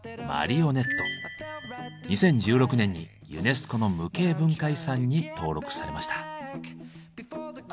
２０１６年にユネスコの無形文化遺産に登録されました。